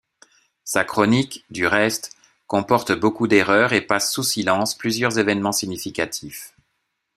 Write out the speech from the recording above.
Sa chronique, du reste, comporte beaucoup d’erreurs et passe sous silence plusieurs événements significatifs.